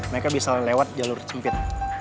mereka bisa lewat jalur sempit